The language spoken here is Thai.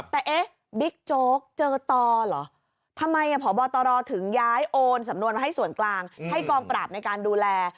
แต่เอ๊ะบิ๊กโจ๊กเจอต่อเหรอทำไมพบตรถึงย้ายโอนสำนวนมาให้ส่วนกลางให้กองปราบในการดูแล